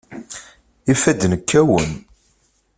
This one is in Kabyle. Ifadden kkawen.